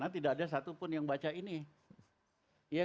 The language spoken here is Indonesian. atau ada apa apa yang bisa kita baca